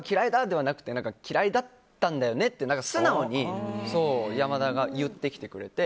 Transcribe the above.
ではなくて嫌いだったんだよねって、素直に山田が言ってきてくれて。